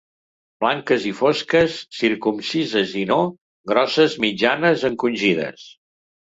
Blanques i fosques, circumcises i no, grosses, mitjanes, encongides.